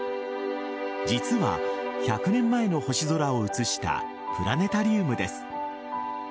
実は１００年前の星空を映したプラネタリウムです。